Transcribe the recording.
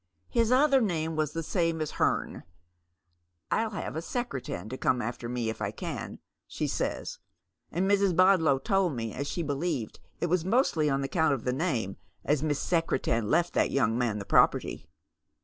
His other name was the same as hern. ' I'll have a Secretan to come after me if I can,' she says, and Mrs. Bodlow told me as she believed it was mostly on account of the name as Miss Secretan left that young man the property."